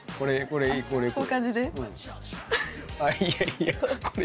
これいこう。